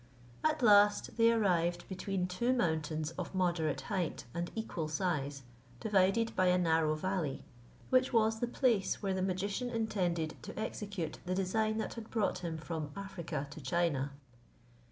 At last they arrived between two mountains of moderate height, and equal size, divided by a narrow valley, which was the place where the magician intended to execute the design that had brought him from Africa to China.